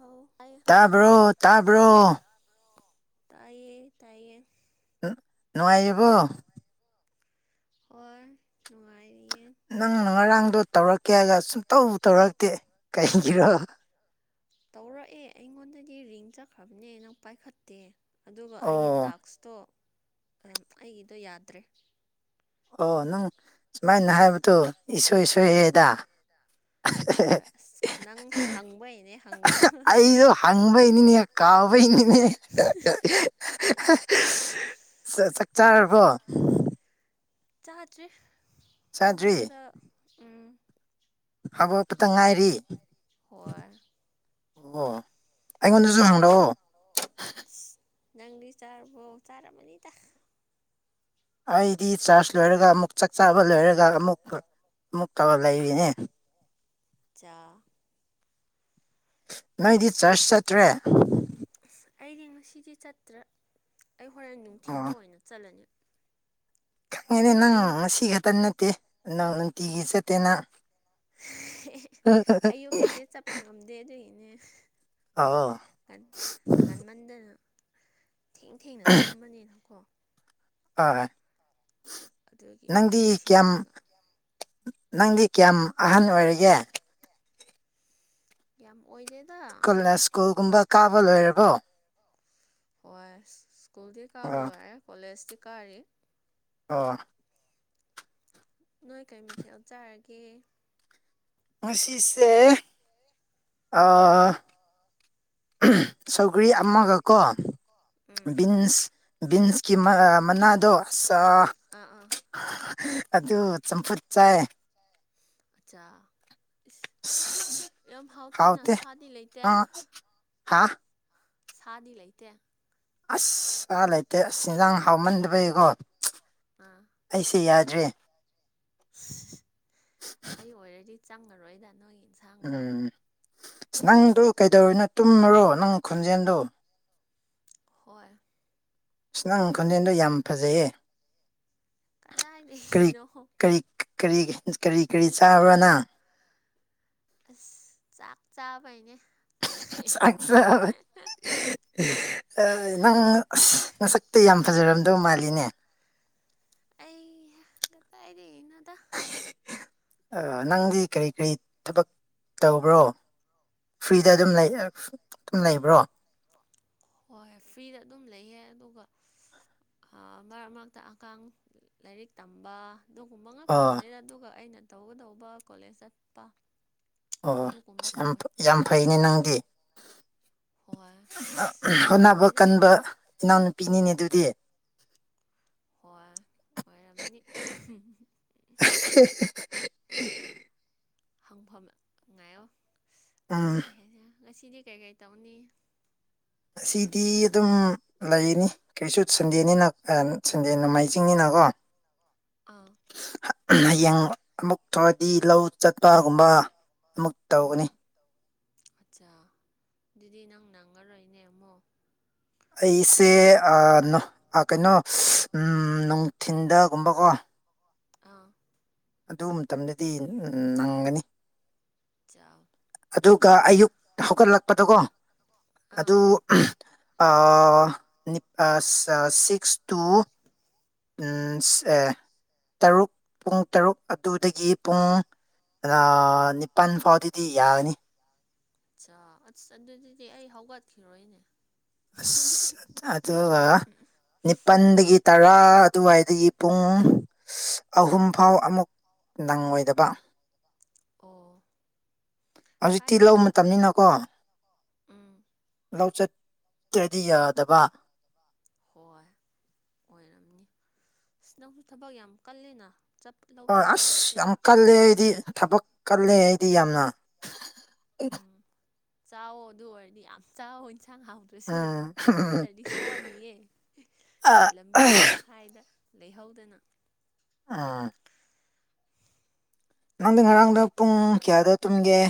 ꯑꯧ ꯑꯩ ꯇꯥꯕ꯭ꯔꯣ ꯇꯥꯕ꯭ꯔꯣ ꯇꯥꯏꯌꯦ ꯇꯥꯏꯌꯦ ꯅꯨꯡꯉꯥꯏꯔꯤꯕꯣ ꯍꯣꯏ ꯅꯨꯡꯉꯥꯏ ꯅꯪ ꯉꯔꯥꯡꯗꯣ ꯇꯧꯔꯛꯀꯦ ꯁꯨꯡꯇꯧ ꯇꯧꯔꯛꯇꯦ ꯀꯩꯒꯤꯔꯣ ꯇꯧꯔꯛꯑꯦ ꯑꯩꯉꯣꯟꯗꯗꯤ ꯔꯤꯡ ꯆꯠꯈ꯭ꯔꯕꯅꯦ ꯅꯪ ꯄꯥꯏꯈꯠꯇꯦ ꯑꯗꯨꯒ ꯑꯩꯒꯤ ꯑꯣ ꯇꯥꯛꯁꯇꯣ ꯑꯩꯒꯤꯗꯣ ꯌꯥꯗ꯭ꯔꯦ ꯑꯣ ꯅꯪ ꯁꯨꯃꯥꯏꯅ ꯍꯥꯏꯕꯗꯨꯣ ꯏꯁꯣꯏ ꯑꯥ ꯁꯣꯏꯌꯦꯗ ꯍꯣꯏ ꯑꯁ ꯅꯪꯁꯨ ꯍꯪꯕꯩꯅꯦ ꯍꯪꯒꯗꯅꯗꯤ ꯑꯩꯗꯣ ꯍꯪꯕꯩꯅꯤꯅꯦ ꯀꯥꯎꯕꯩꯅꯤꯅꯦ ꯑꯩ ꯆꯥꯔꯕꯣ ꯆꯥꯗ꯭ꯔꯤ ꯆꯥꯗ꯭ꯔꯤ ꯍꯧꯒꯠꯄꯗ ꯎꯝ ꯍꯧꯒꯠꯄꯕꯇꯪ ꯉꯥꯏꯔꯤ ꯍꯣꯏ ꯑꯣ ꯑꯩꯉꯣꯟꯗꯁꯨ ꯆꯔ ꯍꯪꯂꯛꯑꯣ ꯅꯪꯗꯤ ꯆꯥꯔꯕꯣ ꯆꯔꯝꯃꯅꯤ ꯇꯥ ꯑꯩꯗꯤ ꯆꯥꯔꯖ ꯂꯣꯏꯔꯒ ꯑꯃꯨꯛ ꯆꯥꯛ ꯆꯥꯕ ꯂꯣꯏꯔꯒ ꯑꯃꯨꯛ ꯑꯃꯨꯛ ꯇꯧ ꯂꯩꯕꯤꯅꯦ ꯆꯥ ꯅꯣꯏꯗꯤ ꯆꯔꯆ ꯆꯠꯇ꯭ꯔꯦ ꯑꯩꯗꯤ ꯉꯁꯤꯗꯤ ꯆꯠꯇ꯭ꯔ ꯑꯩ ꯍꯣꯔꯦꯟ ꯑꯣ ꯅꯨꯡꯊꯤꯟꯗ ꯑꯣꯏꯅ ꯆꯠꯂꯅꯤ ꯈꯪꯉꯦꯅꯦ ꯅꯪ ꯑꯌꯨꯛ ꯉꯁꯤ ꯈꯛꯇ ꯅꯠꯇꯦ ꯅꯪ ꯅꯨꯡꯇꯤꯒꯤ ꯆꯠꯇꯦ ꯅꯪ ꯑꯌꯨꯀꯤꯁꯦ ꯆꯠꯄ ꯉꯝꯗꯦ ꯑꯗꯨꯒꯤꯅꯦ ꯑꯧ ꯀꯟ ꯉꯟꯃꯟꯗ ꯊꯦꯡ ꯊꯦꯡꯅ ꯇꯨꯝꯕꯅꯤꯅꯀꯣ ꯍꯣꯏꯣꯏ ꯑꯗꯨꯗꯒꯤ ꯅꯨꯡꯊꯤꯤꯟꯒ ꯅꯪꯗꯤ ꯀꯌꯥꯝ ꯑꯍꯟ ꯑꯣꯏꯔꯤꯒꯦ ꯌꯥꯝ ꯑꯣꯏꯗꯦꯗ ꯀꯣꯂ ꯁ꯭ꯀꯨꯜꯒꯨꯝꯕ ꯀꯥꯕ ꯂꯣꯏꯦꯔꯕꯣ ꯍꯣꯏ ꯁ꯭ꯀꯨꯜꯗꯤ ꯀꯥꯕ ꯑꯣ ꯂꯣꯏꯔꯦ ꯀꯣꯂꯦꯖꯇꯤ ꯀꯥꯔꯤ ꯑ ꯅꯣꯏ ꯀꯔꯤꯃꯊꯦꯜ ꯂꯧꯞ ꯆꯔꯒꯦ ꯃꯁꯤꯁꯤꯁꯦ ꯑ ꯎꯝ ꯁꯧꯒꯔꯤ ꯑꯃꯒꯀꯣ ꯎꯝ ꯕꯤꯟꯁ ꯕꯤꯟꯁꯀꯤ ꯃꯅꯥꯗꯣ ꯑꯗꯨ ꯑꯥ ꯑꯥ ꯑꯗꯨ ꯆꯝꯄꯨꯠ ꯆꯥꯏ ꯑꯆꯥꯆꯥ ꯑꯁ, ꯌꯥꯝ ꯍꯥꯎꯇꯦꯅ ꯁꯥꯗꯤ ꯂꯩꯇꯦ ꯍꯥꯥ ꯁꯥꯗꯤ ꯂꯩꯇꯦ ꯑꯁ ꯂꯩꯇꯦ ꯑꯁ ꯏꯟꯖꯥꯡ ꯍꯥꯎꯃꯟꯗꯕꯩꯀꯣ ꯑꯥ ꯑꯩꯁꯦ ꯌꯥ ꯔꯤ ꯑꯩ ꯑꯣꯏꯔꯗꯤ ꯆꯪꯉꯔꯣꯏꯗ ꯅꯣꯏꯒꯤ ꯌꯦꯟꯁꯥꯡꯗꯣ ꯎꯝ ꯑꯁ ꯅꯪꯗꯨ ꯀꯩꯗꯧꯔꯤꯅꯣ ꯇꯨꯝꯃꯨꯔꯣ ꯅꯪ ꯈꯣꯟꯖꯦꯜꯗꯣ ꯍꯣꯏ ꯁꯅꯪ ꯈꯣꯟꯖꯦꯜꯗꯣ ꯌꯥꯝ ꯐꯖꯩꯌꯦ ꯀꯗꯥꯏ ꯀꯔꯤ ꯂꯩꯗꯣ ꯀꯔꯤ ꯀꯔꯤ ꯀꯔꯤ ꯀꯔꯤ ꯆꯥꯕ꯭ꯔꯅ ꯑꯁ ꯆꯥꯛ ꯆꯥꯕꯩꯅꯦ ꯆꯁ ꯅꯪ ꯉꯁꯛꯇ ꯌꯥꯝ ꯐꯖꯔꯝꯗꯧ ꯃꯥꯜꯂꯤꯅꯦ ꯑꯩꯍꯄꯥꯏꯔꯤꯅꯗ ꯅꯪꯗꯤ ꯀꯔꯤ ꯀꯔꯤ ꯊꯕꯛ ꯇꯧꯕ꯭ꯔꯣ ꯐ꯭ꯔꯤꯗ ꯑꯗꯨꯝ ꯂꯩ ꯑꯗꯨꯝ ꯂꯩꯕ꯭ꯔꯣ ꯍꯣꯏ ꯐ꯭ꯔꯤꯗ ꯑꯗꯨꯝ ꯂꯩꯌꯦ ꯑꯗꯨꯒ ꯃꯔꯛ ꯃꯔꯛꯇ ꯑꯉꯥꯡ ꯂꯥꯏꯔꯤꯛ ꯇꯝꯕ ꯑꯗꯨꯒꯨꯝꯕ ꯉꯥꯛ ꯑꯣ ꯅꯪꯗ ꯑꯗꯨꯒ ꯑꯩꯅ ꯇꯧꯒꯗꯧꯕ ꯀꯣꯂꯦꯖ ꯆꯠꯄ ꯑꯣ ꯑꯗꯨꯒꯨꯝꯕ ꯌꯥꯝ ꯇꯧꯋꯦ ꯌꯥꯝ ꯐꯩꯅꯦ ꯅꯪꯗꯤ ꯍꯣꯏ ꯑꯁ ꯌꯥꯝ ꯍꯣꯠꯅꯕ ꯐꯠꯇꯦꯗ ꯀꯟꯕ ꯏꯅꯥꯎꯅꯨꯄꯤꯅꯤꯅꯦ ꯑꯗꯨꯗꯤ ꯍꯣꯏ ꯑꯣꯏꯔꯝꯅꯤ [unintelligible] ꯍꯪꯐꯝ ꯉꯥꯏꯣ ꯎꯝ ꯑꯇꯩ ꯀꯩ ꯍꯥꯏꯅꯤ ꯉꯁꯤꯗꯤ ꯀꯩꯀꯩ ꯇꯧꯅꯤ ꯑꯁꯤꯗꯤ ꯑꯗꯨꯝ ꯂꯩꯅꯤ ꯀꯩꯁꯨ ꯁꯟꯗꯦꯅꯤꯅ ꯁꯟꯗꯦ ꯅꯣꯡꯃꯥꯏꯖꯤꯡꯅꯤꯅ ꯀꯣ ꯑꯥ ꯍꯌꯦꯡ ꯑꯃꯨꯛ ꯊꯧꯔꯗꯤ ꯂꯧ ꯆꯠꯄꯒꯨꯝꯕ ꯑꯃꯨꯛ ꯎꯝ ꯇꯧꯒꯅꯤ ꯑꯠꯆꯥ ꯑꯗꯨꯗꯤ ꯅꯪ ꯅꯪꯉꯔꯣꯏꯅꯦ ꯑꯃꯃꯣ ꯑꯩꯁꯦ ꯀꯩꯅꯣ ꯅꯨꯡꯊꯤꯟꯗꯒꯨꯝꯕꯀꯣ ꯑꯥ ꯑꯗꯨ ꯃꯇꯝꯗꯗꯤ ꯅꯪꯒꯅꯤ ꯆꯥꯎ ꯑꯗꯨꯒ ꯑꯌꯨꯛ ꯍꯧꯒꯠꯂꯛꯄꯗꯀꯣ ꯑꯥ ꯑꯗꯨ ꯑꯄꯥ ꯁꯤꯛꯁ ꯇꯨ ꯎꯝ ꯇꯔꯨꯛ ꯄꯨꯡ ꯇꯔꯨꯛ ꯑꯗꯨꯗꯒꯤ ꯄꯨꯡ ꯑꯗ ꯅꯤꯄꯥꯜ ꯐꯥꯎꯗꯤꯗꯤ ꯌꯥꯒꯅꯤ ꯑꯆꯥ ꯑ ꯑꯗꯨꯗꯤ ꯑꯩ ꯍꯧꯒꯠꯈꯤꯔꯣꯏꯅꯦ ꯑꯁ ꯑꯗ ꯅꯤꯡꯅꯤꯄꯟꯒꯤ ꯇꯔꯥ ꯑꯗꯨꯋꯥꯏꯗꯒꯤ ꯄꯨꯡ ꯑꯍꯨꯝꯐꯥꯎ ꯑꯃꯨꯛ ꯅꯪꯉꯣꯏꯗꯕ ꯑꯣ ꯍꯧꯖꯤꯛꯇꯤ ꯂ ꯀꯥꯏꯗꯦꯗ ꯃꯇꯝꯅꯤꯅꯀꯣ ꯎꯝ ꯂꯧ ꯆꯠ ꯇꯗꯤ ꯌꯥꯗꯕ ꯍꯣꯏ ꯑꯣꯏꯔꯝꯅꯤ ꯅꯪꯁꯨ ꯊꯕꯛ ꯌꯥꯝ ꯀꯜꯂꯤꯅ ꯆꯞ ꯂꯧ ꯍꯣꯏ ꯆꯠꯄ ꯑꯁ ꯍꯥꯏꯕꯁꯦ ꯌꯥꯝ ꯀꯜꯂꯦ ꯑꯩꯗꯤ ꯊꯕꯛ ꯀꯜꯂꯦ ꯑꯩꯗꯤ ꯌꯥꯝꯅ ꯏ ꯆꯥꯣ ꯑꯗꯨ ꯑꯣꯏꯔꯅꯤ ꯌꯥꯝ ꯆꯥ ꯍꯟꯁꯥꯡ ꯍꯥꯎꯗ꯭ꯔꯁꯨ ꯎꯝ ꯅꯠꯇ꯭ꯔꯗꯤ ꯁꯣꯟꯅꯤꯌꯦ ꯑ ꯂꯝꯕꯤ ꯇꯪꯈꯥꯏꯗ ꯂꯩꯍꯧꯗꯅ ꯑꯥ ꯅꯪꯗꯤ ꯉꯔꯥꯡꯗ ꯄꯨꯡ ꯀꯌꯥꯗ ꯇꯨꯝꯒꯦ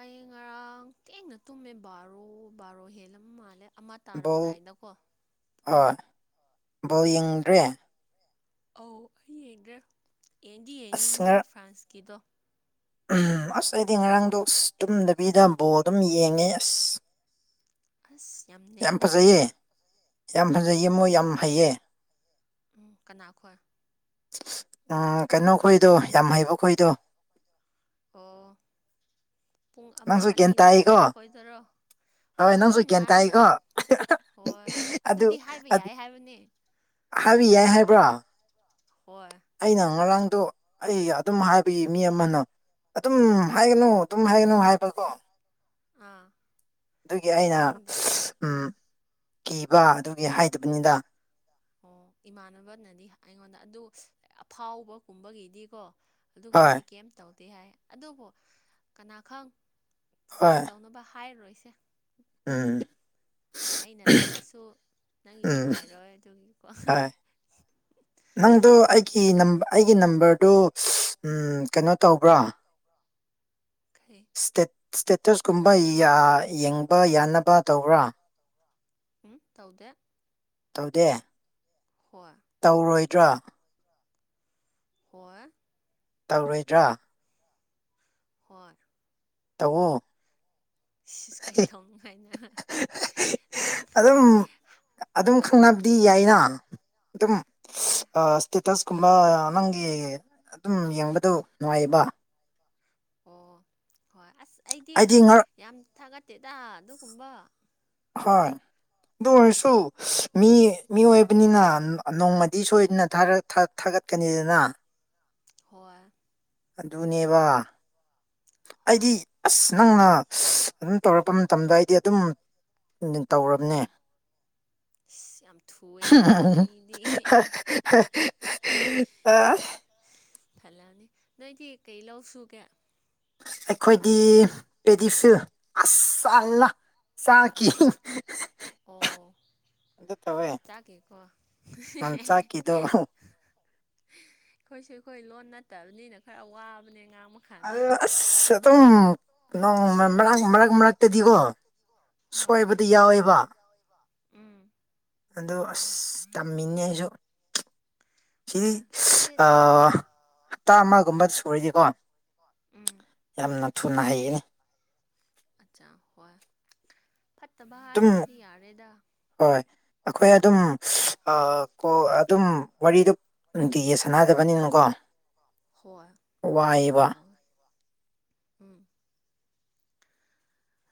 ꯑꯩ ꯉꯔꯥꯡ ꯊꯦꯡꯅ ꯇꯨꯝꯃꯦ ꯕꯥꯔꯣ ꯕꯥꯔꯣ ꯍꯦꯜꯂꯝ ꯃꯥꯜꯂꯦ ꯑꯃ ꯕꯣꯜ ꯇꯥꯔꯝꯗꯥꯏꯗꯀꯣ ꯊꯨꯝꯃꯦ ꯕꯧ ꯌꯦꯡꯗ꯭ꯔꯦ ꯑꯧ ꯑꯩ ꯌꯦꯡꯗ꯭ꯔꯦ ꯌꯦꯡꯗꯤ ꯑꯁ ꯌꯦꯡꯅꯤꯡꯕꯅꯦ ꯉꯔꯥꯡ ꯐ꯭ꯔꯥꯟꯁꯀꯤꯗꯣ ꯑꯁ ꯑꯩꯗꯤ ꯉꯔꯥꯡꯗꯣ ꯑꯁ ꯇꯨꯝꯗꯕꯤꯗ ꯕꯣ ꯑꯗꯨꯝ ꯌꯦꯡꯉꯦ ꯑꯁ ꯑꯁ ꯌꯥꯝ ꯅꯩꯅ ꯐꯖꯩꯌꯦ ꯑꯗꯨꯒ ꯌꯥꯝ ꯐꯖꯩ ꯏꯃꯣ ꯎꯝ ꯌꯥꯝ ꯐꯩꯌꯦ ꯎꯝ ꯀꯅꯥꯈꯣꯏ ꯎꯝ ꯀꯩꯅꯣ ꯈꯣꯏꯗꯣ ꯌꯥꯝ ꯍꯩꯕ ꯈꯣꯏꯗꯣ ꯑꯣ ꯄꯨꯡ ꯑꯃ ꯅꯪꯁꯨ ꯒ꯭ꯌꯥꯟ ꯑꯅꯤꯗ ꯇꯥꯏꯀꯣ ꯁꯥꯟꯅꯕ ꯈꯣꯏꯗꯣꯏꯔꯣ ꯍꯣꯏ ꯅꯪꯁꯨ ꯭ꯦꯟꯟ ꯇꯥꯏꯀꯣ ꯍꯣꯏ ꯑꯗꯨꯗꯤ ꯍꯥꯏꯕ ꯌꯥꯏ ꯍꯥꯏꯕꯅꯤ ꯍꯥꯏꯕꯤ ꯌꯥꯏ ꯍꯥꯏꯕ꯭ꯔꯥ ꯍꯣꯏ ꯑꯩꯅ ꯉꯔꯥꯡꯗꯣ ꯑꯩ ꯑꯗꯨꯝ ꯍꯥꯏꯕ ꯃꯤ ꯑꯃꯅ ꯑꯗꯨꯝ ꯍꯥꯏꯒꯅꯨ ꯑꯗꯨꯝ ꯍꯥꯏꯒꯅꯨ ꯍꯥꯏꯕꯀꯣ ꯑꯥ ꯑꯗꯨꯒꯤ ꯑꯩꯅ ꯈꯪꯗꯦ ꯎ ꯑꯥ ꯀꯤꯕ ꯑꯗꯨꯒꯤ ꯍꯥꯏꯗꯕꯅꯤꯗ ꯑꯣ ꯏꯃꯥꯟꯅꯕꯅꯗꯤ ꯑꯩꯉꯣꯟꯗ ꯑꯗꯨ ꯑꯐꯥꯎꯕꯒꯨꯝꯕꯒꯤꯗꯤꯀꯣ ꯍꯣꯏ ꯑꯗꯨꯒꯨꯝꯕꯗꯤ ꯀꯩꯝ ꯇꯧꯗꯦ ꯍꯥꯏ ꯑꯗꯨꯕꯨ ꯀꯅꯥ ꯈꯪ ꯍꯣꯏ ꯁꯦꯐ ꯇꯧꯅꯕ ꯍꯥꯏꯔꯔꯣꯏꯁꯦ ꯎꯝ ꯑꯩꯅ ꯂꯥꯜꯂꯁꯨ ꯅꯪꯒꯤ ꯎꯝ ꯅꯨꯡꯉꯥꯏꯔꯣꯏ ꯑꯗꯨꯒꯤꯀꯣ ꯍꯣꯏ ꯅꯪꯗꯣ ꯑꯩꯒꯤ ꯑꯩꯒꯤ ꯅꯝꯕꯔꯗꯨꯣ ꯀꯩꯅꯣ ꯇꯧꯕ꯭ꯔꯥ ꯀꯩ ꯁꯇꯦꯠ ꯁ꯭ꯇꯦꯇꯁ ꯀꯨꯝꯕ ꯌꯦꯡꯕ ꯌꯥꯅꯕ ꯇꯧꯕ꯭ꯔꯥ ꯎꯝ ꯇꯧꯗꯦ ꯇꯧꯗꯦ ꯍꯣꯏ ꯇꯧꯔꯣꯏꯗ꯭ꯔꯥ ꯍꯣꯏ ꯇꯧꯔꯣꯏꯗ꯭ꯔꯥ ꯍꯔ ꯇꯎ ꯁꯤ ꯀꯩ ꯊꯧꯅꯅꯨꯡ ꯍꯥꯏꯥꯏꯅ ꯅꯪ ꯑꯗꯨꯝ ꯑꯗꯨꯝ ꯈꯪꯅꯕꯗꯤ ꯌꯥꯏꯅ ꯑꯗꯨꯝ ꯍꯣꯏ ꯇꯁꯀꯨꯝꯕ ꯅꯪꯒꯤ ꯑꯗꯨꯝ ꯌꯦꯡꯕꯗꯣ ꯅꯨꯡꯉꯥꯏꯌꯦꯕ ꯑꯣ ꯍꯣꯏ ꯑꯁ ꯑꯩꯗꯤ ꯌꯥꯝ ꯊꯥꯒꯠꯇꯦꯗ ꯑꯗꯨꯒꯨꯝꯕ ꯍꯣꯏ ꯑꯗꯨ ꯑꯣꯏꯔꯁꯨ ꯃꯤ ꯃꯤ ꯑꯣꯏꯕꯅꯤꯅ ꯅꯣꯡꯃꯗꯤ ꯁꯣꯏꯗꯅ ꯠ ꯀꯅꯤꯗꯅ ꯍ ꯑꯗꯨꯅꯦꯕ ꯑꯩꯗꯤ ꯍꯣꯏ ꯑꯁ ꯅꯪꯅ ꯑꯗꯨꯝ ꯇꯧꯔꯛꯄ ꯃꯇꯝꯗ ꯑꯩꯗꯤ ꯑꯗꯨꯝ ꯇꯧꯔꯕꯅꯦ [unintelligible] ꯊꯨꯑꯦꯀꯣ ꯃꯤꯗꯤ ꯑ ꯊꯜꯂꯑꯅꯤ ꯅꯣꯏꯗꯤ ꯀꯩ ꯂꯧ ꯁꯒꯦ ꯑꯩꯈꯣꯏꯗꯤ ꯄꯦꯗꯤꯐꯤꯜ ꯑꯁꯅ ꯆꯥꯈꯤ ꯑꯣ ꯇꯧꯋꯦ ꯆꯥ ꯀꯦ ꯀꯣ ꯎꯝ, ꯆꯥꯛꯀꯤꯗꯣ ꯑꯩꯈꯣꯏꯁꯨ ꯑꯩꯈꯣꯏ ꯂꯣꯟ ꯅꯠꯇꯕꯅꯤꯅ ꯈꯔ ꯋꯥꯕꯅꯦ ꯉꯥꯡ ꯑ ꯑꯁ ꯑꯗꯨꯝ ꯀ ꯃꯔꯛ ꯃꯔꯛ ꯃꯔꯛꯇꯗꯤꯀꯣ ꯍꯣꯏ ꯁꯣꯏꯕꯗꯤ ꯌꯥꯎꯋꯦꯕ ꯎꯝ ꯑꯗꯣ ꯑꯁ ꯇꯝꯃꯤꯅꯦ ꯑꯩꯁꯨ ꯁꯤ ꯍꯣꯏ ꯀꯥꯏꯗꯦꯗ ꯍꯞꯇꯥ ꯑꯃꯒꯨꯝꯕ ꯁꯔꯤꯗꯤꯀꯣ ꯎꯝ ꯌꯥꯝꯅ ꯊꯨꯅ ꯍꯩꯌꯦ ꯑꯠꯆꯥ ꯍꯣꯏ ꯐꯠꯇꯕ ꯑꯗꯨꯝ ꯍꯥꯏꯗ꯭ꯔꯗꯤ ꯌꯥꯔꯦꯗ ꯍꯣꯏ ꯑꯩꯈꯣꯏ ꯑꯗꯨꯝ ꯀꯣ ꯑꯗꯨꯝ ꯋꯥꯔꯤꯗꯨ ꯅꯨꯡꯇꯤꯒꯤ ꯁꯥꯟꯅꯥꯗꯕꯅꯤꯅꯀꯣ ꯍꯣꯏ ꯎꯝ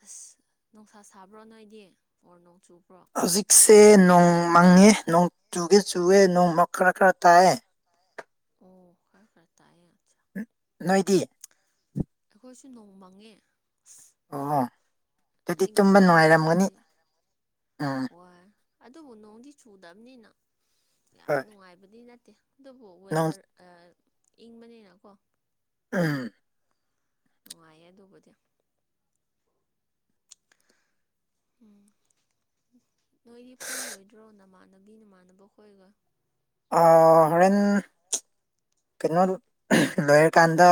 ꯑꯁ ꯅꯨꯡꯁꯥ ꯁꯥꯕ꯭ꯔꯣ ꯅꯣꯏꯗꯤ ꯑꯣꯔ ꯅꯣꯡꯆꯨ ꯍꯧꯖꯤꯛꯁꯦ ꯅꯣꯡ ꯃꯪꯉꯦ ꯅꯣꯡ ꯆꯨꯒꯦ ꯆꯨꯋꯦ ꯅꯣꯡꯃ ꯈꯔ ꯈꯔ ꯇꯥꯏꯑ ꯑꯣ ꯀꯇꯥꯑ ꯅꯣꯏꯇ ꯑꯩꯈꯣꯏꯁꯨ ꯅꯣꯡ ꯃꯪꯉꯦ ꯑꯁ ꯑꯣ ꯑꯗꯨꯗꯤ ꯑꯩꯒꯤ ꯇꯨꯝꯕ ꯃꯪꯗ ꯅꯨꯡꯉꯥꯏꯔꯝꯒꯅꯤ ꯀꯥꯔꯗꯤ ꯎꯝ ꯍꯣꯏ ꯑꯗꯨꯕꯨ ꯅꯣꯡꯗꯤ ꯆꯨꯗꯕꯅꯤꯅ ꯌꯥꯝ ꯍꯣꯏ ꯅꯨꯡꯉꯥꯏꯕꯗꯤ ꯅꯠꯇꯦ ꯑꯗꯨꯕꯨ ꯅꯣꯡ ꯋꯦꯗꯔ ꯏꯪꯕꯅꯤꯅꯀꯣ ꯎꯝ ꯅꯨꯡꯉꯥꯏꯌꯦ ꯑꯗꯨꯕꯨꯗꯤ ꯎꯝ ꯅꯣꯏꯗꯤ ꯄꯨꯜꯂꯣꯏꯗ꯭ꯔꯣ ꯅꯃꯥꯟꯅꯕꯤ ꯅꯃꯥꯟꯅꯕꯈꯣꯏꯒ ꯍꯦꯟ ꯀꯩꯅꯣ ꯂꯣꯏꯔꯀꯥꯟꯗ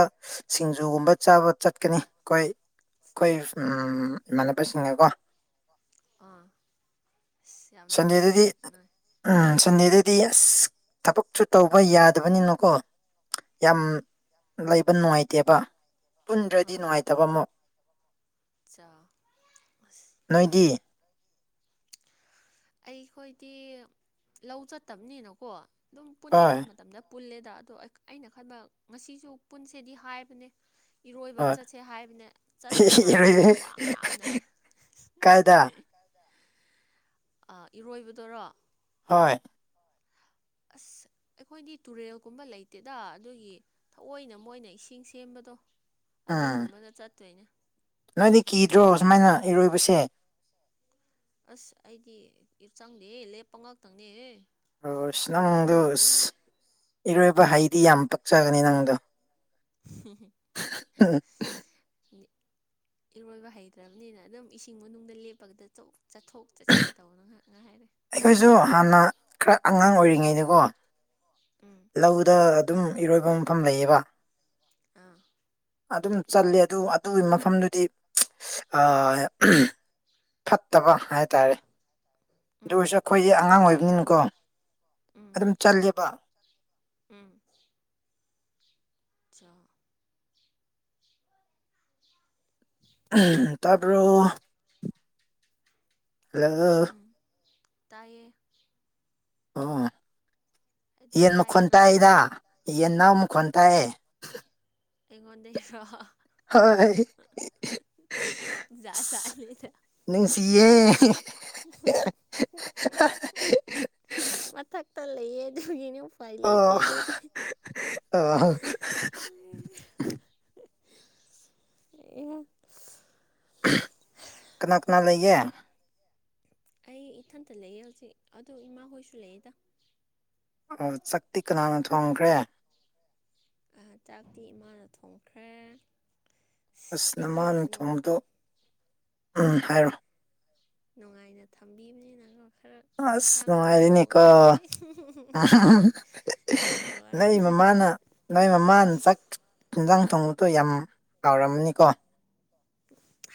ꯁꯤꯡꯖꯨꯒꯨꯝꯕ ꯆꯥꯕ ꯆꯠꯀꯅꯤ ꯑꯩꯈꯣꯏ ꯑꯩꯈꯣꯏ ꯎꯝ ꯎ ꯏꯃꯥꯟꯅꯕꯁꯤꯡꯒꯀꯣ ꯑꯥ ꯑꯁ ꯌꯥꯝ ꯅꯨꯡꯉꯥꯏꯅꯦ ꯅꯣꯏ ꯗꯤ ꯑꯁ ꯊꯕꯛꯁꯨꯨ ꯇꯧꯕ ꯌꯥꯗꯕꯅꯤꯅꯀꯣ ꯌꯥꯝ ꯑꯥ ꯂꯩꯕ ꯅꯨꯡꯉꯥꯏꯇꯦꯕ ꯄꯨꯟꯗ꯭ꯔꯗꯤ ꯅꯨꯡꯉꯥꯏꯇꯕ ꯑꯃꯨꯛ ꯃꯆꯥ ꯌꯥꯝ ꯅꯣꯏꯗꯤ ꯐꯥꯏꯅ ꯑꯩꯈꯣꯏꯗꯤ ꯂꯧ ꯆꯠꯇꯕꯅꯤꯅꯀꯣ ꯑꯗꯨꯝ ꯍꯣꯏ ꯄꯨꯅꯤꯡꯕ ꯃꯇꯝꯗ ꯄꯨꯜꯂꯦꯗ ꯑꯗꯣ ꯑꯩ ꯑꯩꯅ ꯈꯟꯕ ꯉꯁꯤꯁꯨ ꯄꯨꯟꯁꯦꯗꯤ ꯍꯥꯏꯕꯅꯦ ꯏꯔꯣꯏꯕ ꯍꯣꯏ ꯆꯠꯁꯦ ꯍꯥꯏꯕꯅꯦ ꯆꯠꯇꯣꯏ ꯃꯥꯟꯗꯦ ꯑꯩ ꯈ꯭ꯋꯥꯡ ꯌꯥꯝ ꯅꯥꯏ ꯀꯥꯏꯗ ꯑꯥ ꯏꯔꯣꯏꯕꯗꯨꯔꯣ ꯍꯣꯏ ꯑꯁ ꯑꯩꯈꯣꯏꯗꯤ ꯇꯨꯔꯦꯜꯒꯨꯝꯕ ꯂꯩꯇꯦꯗ ꯑꯗꯨꯒꯤ ꯊꯑꯣꯏꯅ ꯃꯣꯏꯅ ꯏꯁꯤꯡ ꯁꯦꯝꯕꯗꯣ ꯎꯝ ꯑꯗꯨꯒꯨꯝꯕꯅ ꯆꯠꯇꯣꯏꯅꯦ ꯅꯣꯏꯗꯤ ꯀꯤꯗ꯭ꯔꯣ ꯁꯨꯃꯥꯏꯅ ꯏꯔꯣꯏꯕꯁꯦ ꯑꯁ ꯑꯩꯗꯤ ꯆꯪꯗꯦꯍꯦ ꯂꯦꯞꯄ ꯉꯥꯛꯇꯪꯅꯦꯍꯦ ꯑꯁ ꯏꯔꯣꯏꯕ ꯅꯪꯗꯣ ꯍꯩꯇꯦꯍꯦ ꯑꯁ ꯏꯔꯣꯏꯕ ꯍꯩꯗꯤ ꯌꯥꯝ ꯄꯛꯆꯒꯅꯤ ꯅꯪꯗꯣ ꯍꯨꯡ ꯍꯨꯡ ꯍ ꯏꯔꯣꯏꯕ ꯍꯩꯇ꯭ꯔꯕꯅꯤꯅ ꯑꯗꯨꯝ ꯏꯁꯤꯡ ꯃꯅꯨꯡꯗ ꯂꯦꯞꯄꯒꯗ ꯆꯣꯛ ꯆꯠꯊꯣꯛ ꯆꯠꯁꯤꯟ ꯇꯧꯕꯅ ꯉꯥ ꯑꯩꯈꯣꯏꯁꯨ ꯍꯥꯟꯅ ꯈꯔ ꯑꯉꯥꯡ ꯑꯣꯏꯔꯤꯉꯩꯗꯀꯣ ꯎꯝ ꯂꯧꯗ ꯑꯗꯨꯝ ꯏꯔꯣꯏꯕ ꯃꯐꯝ ꯂꯩꯌꯦꯕ ꯑꯥ ꯑꯗꯨꯝ ꯆꯜꯂꯤ ꯑꯗꯨ ꯑꯗꯨꯒꯤ ꯃꯐꯝꯗꯨꯗꯤ ꯑꯥ ꯎꯝ ꯐꯠꯇꯕ ꯍꯥꯏꯇꯥꯔꯦ ꯎꯝ ꯎꯝ ꯑꯗꯨꯑꯣꯏꯔꯁꯨ ꯑꯩꯈꯣꯏꯒꯤ ꯑꯉꯥꯡ ꯑꯣꯏꯕꯅꯤꯅꯀꯣ ꯎꯝ ꯑꯗꯨꯝ ꯆꯠꯂꯦꯕ ꯎꯝ ꯆꯥꯎ ꯎꯝ ꯎꯝ ꯇꯥꯕ꯭ꯔꯣ ꯍꯜꯂꯣ ꯎꯝ ꯇꯥꯏꯌꯦ ꯂꯧꯁꯤꯟꯕ ꯉꯝꯗꯕ ꯑꯗꯨꯝ ꯌꯦꯟ ꯇꯥꯏꯌꯦ ꯈꯣꯟꯇ ꯅꯪ ꯇꯥꯏꯗꯥ ꯍꯥꯏꯕꯗꯣ ꯌꯦꯟꯅꯥꯎ ꯃꯈꯣꯟ ꯇꯥꯏꯌꯦ ꯑꯩꯉꯣꯟꯗꯩꯔꯣ ꯍꯥ ꯍ ꯍꯣꯏ ꯍ ꯍ ꯍ ꯍꯍ ꯑꯁ ꯖꯥ ꯖꯥ ꯂꯤꯗꯥ ꯅꯨꯡꯁꯤꯌꯦ ꯍꯨꯡ ꯍ ꯍꯨꯡ ꯍꯨꯡ ꯍꯨꯡ ꯍꯨꯡ ꯃꯊꯛꯇ ꯂꯩꯌꯦ ꯑꯗꯨꯒꯤꯅꯤ ꯑꯣ ꯍ ꯍ ꯍ ꯍ ꯑꯣ ꯍ ꯍ ꯍ ꯑꯦ ꯀꯅꯥ ꯀꯅꯥ ꯂꯩꯒꯦ ꯑꯩ ꯏꯊꯟꯇ ꯂꯩꯌꯦ ꯍꯧꯖꯤꯛ ꯑꯗꯨ ꯏꯃꯥ ꯍꯣꯏꯁꯨ ꯂꯩꯌꯦꯗ ꯑꯣ ꯆꯥꯛꯇꯤ ꯀꯅꯥꯅ ꯊꯣꯡꯈ꯭ꯔꯦ ꯑ ꯆꯥꯛꯇꯤ ꯏꯃꯥꯅ ꯊꯣꯡꯈ꯭ꯔꯦ ꯑꯁ ꯅꯃꯥꯅ ꯊꯣꯡꯕꯗꯣ ꯎꯝ ꯍꯥꯏꯔꯣ ꯅꯨꯡꯉꯥꯏꯅ ꯊꯝꯕꯤꯕꯅꯤꯅ ꯀꯣ ꯈꯔ ꯑꯁ ꯏꯟꯁꯥꯡꯒꯨꯝꯕꯗꯤ ꯅꯨꯡꯉꯥꯏꯔꯦꯅꯦꯀꯣ ꯊꯣꯡꯍꯟꯗꯣꯏ ꯏ ꯍꯥ ꯍꯥ ꯍꯥꯍ ꯃꯥꯅ ꯅꯣꯏ ꯃꯃꯥꯅ ꯆꯥꯛ ꯏꯟꯖꯥꯡ ꯊꯣꯡꯕꯗꯣ ꯌꯥꯝ ꯀꯥꯎꯔꯝꯅꯤꯀꯣ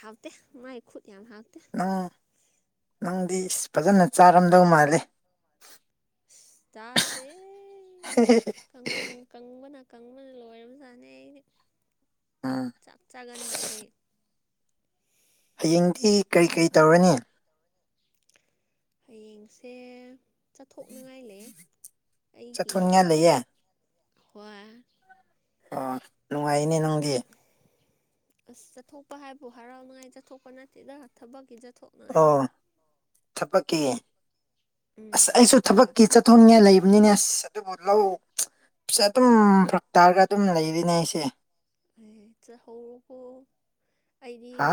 ꯍꯥꯎꯇꯦ ꯃꯥꯏ ꯈꯨꯠ ꯌꯥꯝ ꯍꯥꯎꯇꯦ ꯅꯪ ꯅꯪꯗꯤ ꯐꯖꯅ ꯆꯥꯔꯝꯗꯧ ꯃꯥꯜꯂꯦ ꯑꯁ ꯆꯥꯗꯦ ꯀꯪ ꯀꯪꯕꯅ ꯀꯪꯕꯅ ꯂꯣꯏꯔꯕꯖꯥꯠꯅꯤ ꯑꯩꯗꯤ ꯎꯝ ꯆꯥꯛ ꯆꯥꯒꯟꯗꯕꯩ ꯍꯌꯦꯡꯗꯤ ꯀꯔꯤ ꯀꯔꯤ ꯇꯧꯔꯅꯤ ꯍꯌꯦꯡꯁꯦ ꯆꯠꯊꯣꯛꯅꯤꯡꯉꯥꯏ ꯂꯩꯌꯦ ꯆꯠꯊꯣꯛꯅꯤꯡꯉꯥꯏ ꯂꯩꯌꯦ ꯀ꯭ꯋꯥ ꯑ ꯅꯨꯡꯉꯥꯏꯅꯦ ꯅꯪꯗꯤ ꯑꯁ ꯆꯠꯊꯣꯛꯄ ꯍꯥꯏꯕꯨ ꯍꯔꯥꯎꯅꯤꯉꯥꯏ ꯆꯠꯊꯣꯛꯄ ꯅꯠꯇꯦꯗ ꯊꯕꯛꯀꯤ ꯆꯠ ꯑꯣ ꯊꯕꯛꯀꯤ ꯎꯝ ꯑꯁ ꯑꯩꯁꯨ ꯍꯣꯏ ꯊꯕꯛꯀꯤ ꯆꯠꯊꯣꯡꯅꯤꯡꯉꯥꯏ ꯂꯩꯕ ꯅꯤꯅꯦꯁ ꯑꯗꯨꯕꯨ ꯂꯧꯁꯦ ꯑꯗꯨꯝ ꯐꯔꯛ ꯇꯥꯔꯒ ꯑꯗꯨꯝ ꯂꯩꯔꯤꯅꯦ ꯑꯩꯁꯦ ꯆꯥꯛꯍꯧꯕꯕꯨ ꯑꯩꯗꯤ ꯍꯥ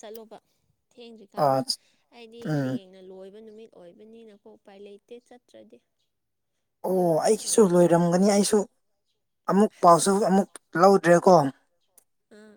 ꯆꯠꯂꯨꯕ ꯑꯥ ꯊꯦꯡꯗ꯭ꯔꯤꯀꯥꯟꯗ ꯑꯩꯗꯤ ꯎꯝ ꯍꯌꯦꯡꯅ ꯂꯣꯏꯕ ꯅꯨꯃꯤꯠ ꯑꯣꯏꯕꯅꯤꯅꯀꯣ ꯎꯄꯥꯏ ꯂꯩꯇꯦ ꯆꯠꯇ꯭ꯔꯗꯤ ꯑꯣ ꯑꯗꯨꯒꯤ ꯑꯩꯒꯤꯁꯨ ꯆꯠꯇꯣꯏꯅꯦ ꯂꯣꯏꯔꯝꯒꯅꯤ ꯑꯩꯁꯨ ꯑꯃꯨꯛ ꯄꯥꯎꯁꯨ ꯑꯃꯨꯛ ꯑꯁ ꯂꯧꯗ꯭ꯔꯦꯀꯣꯪ ꯑꯥ